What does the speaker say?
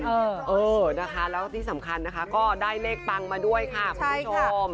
เออนะคะแล้วที่สำคัญนะคะก็ได้เลขปังมาด้วยค่ะคุณผู้ชม